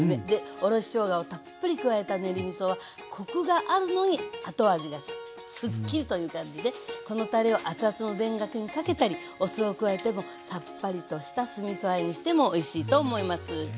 おろししょうがをたっぷり加えた練りみそはコクがあるのに後味がすっきりという感じでこのたれをアツアツの田楽にかけたりお酢を加えてもさっぱりとした酢みそあえにしてもおいしいと思います。